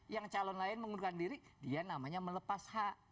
yang calon lain mengundurkan diri dia namanya melepas hak